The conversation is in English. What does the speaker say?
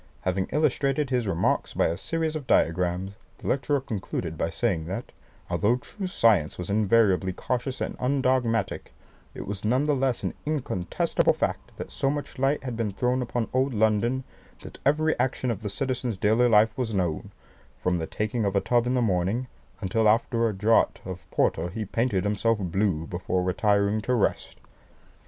Having illustrated his remarks by a series of diagrams, the lecturer concluded by saying that, although true science was invariably cautious and undogmatic, it was none the less an incontestable fact that so much light had been thrown upon old London, that every action of the citizens' daily life was known, from the taking of a tub in the morning, until after a draught of porter he painted himself blue before retiring to rest."